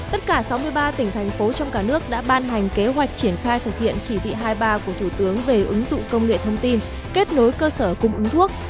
tất cả sáu mươi ba tỉnh thành phố trong cả nước đã ban hành kế hoạch triển khai thực hiện chỉ thị hai mươi ba của thủ tướng về ứng dụng công nghệ thông tin kết nối cơ sở cung ứng thuốc